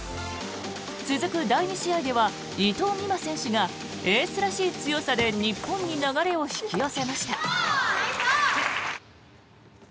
続く第２試合では伊藤美誠選手がエースらしい強さで日本に流れを引き寄せました。